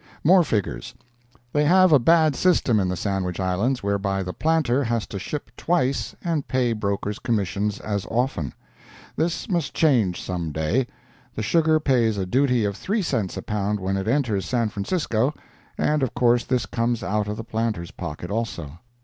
MORE FIGURES They have a bad system in the Sandwich Islands, whereby the planter has to ship twice and pay broker's commissions as often. This must change some day. The sugar pays a duty of three cents a pound when it enters San Francisco, and of course this comes out of the planter's pocket also.